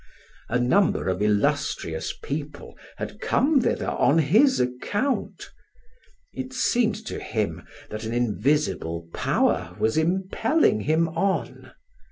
A number of illustrious people had come thither on his account. It seemed to him that an invisible power was impelling him on.